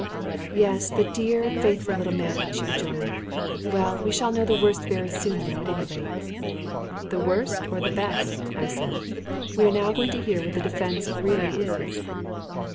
"Yes, the dear, faithful little man!" she rejoined. "Well, we shall know the worst very soon now, at any rate." "The worst or the best," I said. "We are now going to hear what the defence really is."